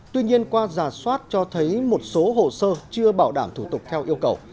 tuy nhiên qua giả soát cho thấy một số hồ sơ chưa bảo đảm thủ tục theo yêu cầu